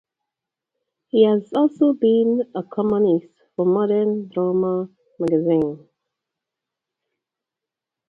He has also been a columnist for "Modern Drummer" magazine.